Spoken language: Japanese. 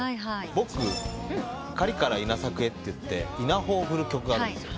僕『狩りから稲作へ』って稲穂を振る曲があるんですよ。